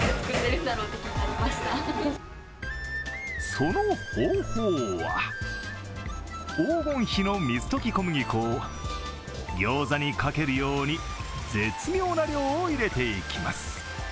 その方法は黄金比の水溶き小麦粉をギョーザにかけるように絶妙な量を入れていきます。